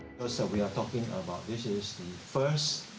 di atas kapal anda akan melihat roller coaster